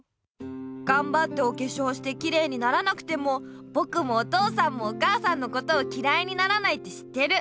がんばっておけしょうしてきれいにならなくてもぼくもお父さんもお母さんのことをきらいにならないって知ってる。